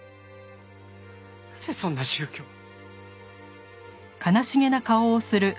なぜそんな宗教を。